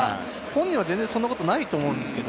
本人には全然そんなことないと思うんです。